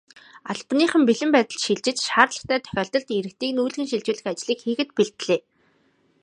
Албаныхан бэлэн байдалд шилжиж, шаардлагатай тохиолдолд иргэдийг нүүлгэн шилжүүлэх ажлыг хийхэд бэлдлээ.